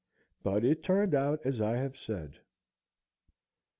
But it turned out as I have said.